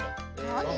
何？